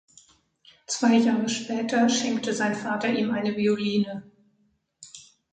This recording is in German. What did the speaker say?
Zwei Jahre später schenkte sein Vater ihm eine Violine.